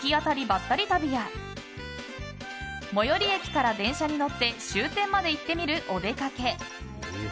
ばったり旅や最寄駅から電車に乗って終点まで行ってみるお出かけ。